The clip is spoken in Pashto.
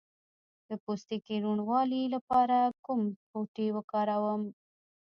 د پوستکي روڼوالي لپاره کوم بوټی وکاروم؟